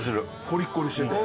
コリコリしてて。